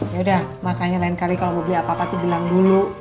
yaudah makanya lain kali kalo mau beli apa apa tuh bilang dulu